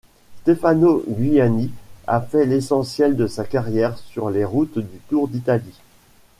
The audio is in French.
Stefano Giuliani a fait l'essentiel de sa carrière sur les routes du Tour d'Italie.